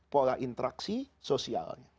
pola interaksi sosialnya